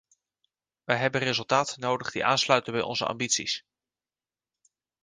Wij hebben resultaten nodig die aansluiten bij onze ambities.